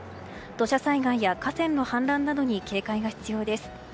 土砂災害や河川の氾濫などに警戒が必要です。